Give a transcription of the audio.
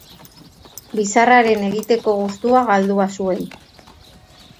Bizarraren egiteko gustua galdua zuen.